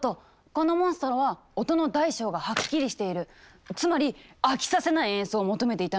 このモンストロは音の大小がはっきりしているつまり飽きさせない演奏を求めていたのね。